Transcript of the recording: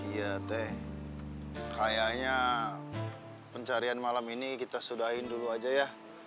iya teh kayaknya pencarian malam ini kita sudahin dulu aja ya